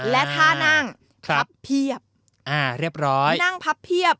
และท่านั่งพับเพียบอ่าเรียบร้อยนั่งพับเพียบ